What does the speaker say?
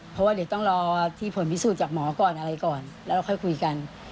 เพราะว่าเดี๋ยวต้องรอที่ผลพิสูจน์จากหมอก่อนอะไรก่อนแล้วเราค่อยคุยกัน